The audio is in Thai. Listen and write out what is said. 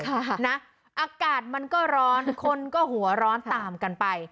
อากาศมันก็ร้อนคนก็หัวร้อนตามกันไป